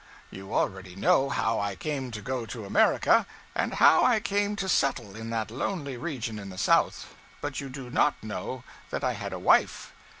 You already know how I came to go to America, and how I came to settle in that lonely region in the South. But you do not know that I had a wife.